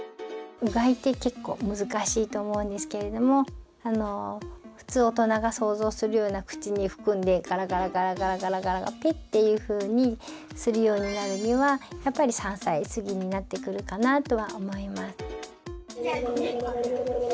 おおっ！と思うんですけれども普通おとなが想像するような口に含んでガラガラガラガラペッっていうふうにするようになるにはやっぱり３歳過ぎになってくるかなとは思います。